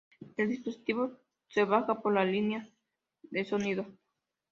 El dispositivo se baja por la línea de sonido.